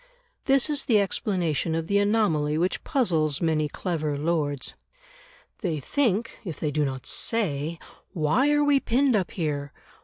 This is the explanation of the anomaly which puzzles many clever lords. They think, if they do not say, "Why are we pinned up here?